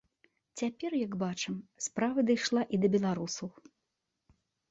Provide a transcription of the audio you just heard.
Цяпер, як бачым, справа дайшла і да беларусаў.